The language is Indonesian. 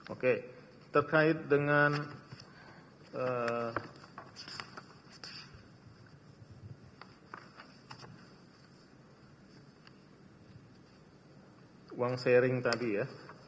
oke terkait dengan uang sharing tadi ya